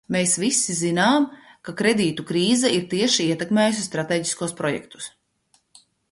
Mēs visi zinām, ka kredītu krīze ir tieši ietekmējusi stratēģiskos projektus.